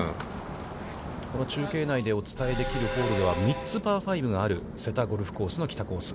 この中継内でお伝えできるホールでは、３つパー５がある瀬田ゴルフコース・北コース。